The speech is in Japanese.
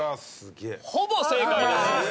ほぼ正解です。